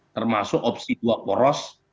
termasuk opsi dua poros